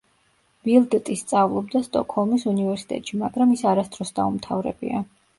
ბილდტი სწავლობდა სტოკჰოლმის უნივერსიტეტში, მაგრამ ის არასდროს დაუმთავრებია.